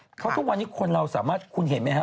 เพราะทุกวันนี้คนเราสามารถคุณเห็นไหมครับ